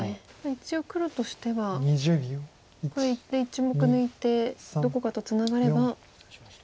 一応黒としてはこれで１目抜いてどこかとツナがれば。